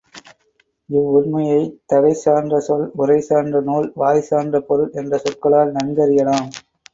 இவ்வுண்மையை தகை சான்ற சொல், உரை சான்ற நூல், வாய் சான்ற பொருள் என்ற சொற்களால் நன்கறியலாம்.